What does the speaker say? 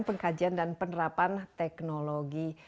pengkajian dan penerapan teknologi